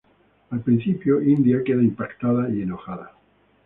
Al principio, India queda impactada y enojada.